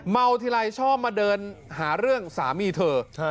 ทีไรชอบมาเดินหาเรื่องสามีเธอ